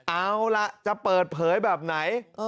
เอาล่ะจะเปิดเผยแบบไหน